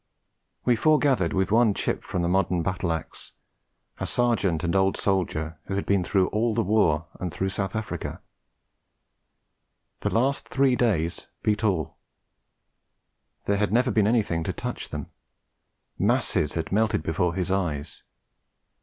We foregathered with one chip from the modern battle axe: a Sergeant and old soldier who had been through all the war and through South Africa. The last three days beat all. There had never been anything to touch them. Masses had melted before his eyes.